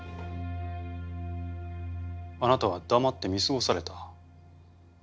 あなたは黙って見過ごされた？